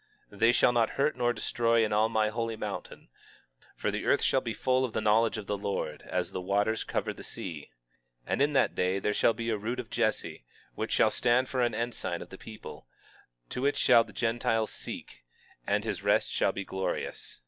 21:9 They shall not hurt nor destroy in all my holy mountain, for the earth shall be full of the knowledge of the Lord, as the waters cover the sea. 21:10 And in that day there shall be a root of Jesse, which shall stand for an ensign of the people; to it shall the Gentiles seek; and his rest shall be glorious.